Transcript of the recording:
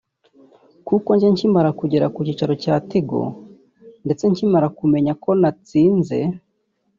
kuko njye nkimara kugera ku cyicaro cya Tigo ndetse nkimara kumenya ko natsinze